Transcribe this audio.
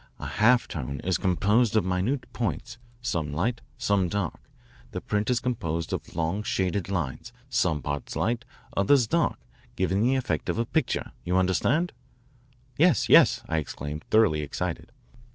A halftone is composed of minute points, some light, some dark. This print is composed of long shaded lines, some parts light, others dark, giving the effect of a picture, you understand?" "Yes, yes," I exclaimed, thoroughly excited.